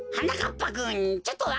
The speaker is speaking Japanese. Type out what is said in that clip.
ぱくんちょっとわか